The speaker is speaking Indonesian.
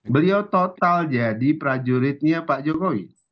beliau total jadi prajuritnya pak jokowi